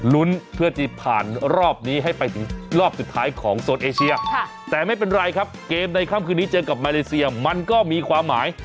ลุ้นเพื่อจะผ่านรอบนี้ให้ไปถึงรอบสุดท้ายของโซนเอเชียแต่ไม่เป็นไรครับเกมในค่ำคืนนี้เจอกับมาเลเซียมันก็มีความหมาย